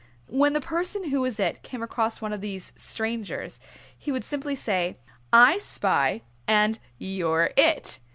When the person who was "It" came across one of these strangers he would simply say, "I spy, and you're It."